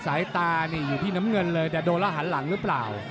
สายตานี่อยู่ที่น้ำเงินเลยแต่โดนแล้วหันหลังหรือเปล่า